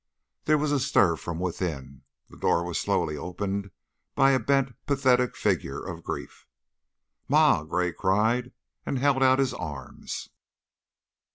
There was a stir from within, the door was slowly opened by a bent, pathetic figure of grief. "Ma!" Gray cried, and he held out his arms.